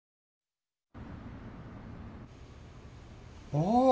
ああ！